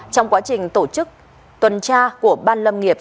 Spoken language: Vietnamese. trong quá trình tổ chức tuần tra của ban lâm nghiệp